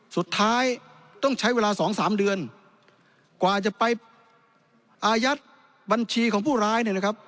สุดท้ายต้องใช้เวลาสองสามเดือนกว่าจะไปอายัดบัญชีของผู้ร้ายเนี่ยนะครับ